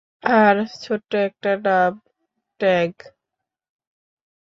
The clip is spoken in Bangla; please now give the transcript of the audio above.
আর ছোট্ট একটা নাম ট্যাগ।